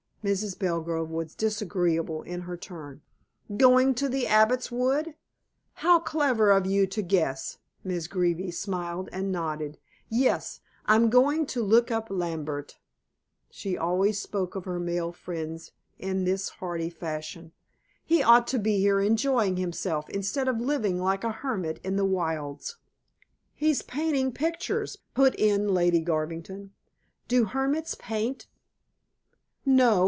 Mrs. Belgrove was disagreeable in her turn. "Going to the Abbot's Wood?" "How clever of you to guess," Miss Greeby smiled and nodded. "Yes, I'm going to look up Lambert"; she always spoke of her male friends in this hearty fashion. "He ought to be here enjoying himself instead of living like a hermit in the wilds." "He's painting pictures," put in Lady Garvington. "Do hermits paint?" "No.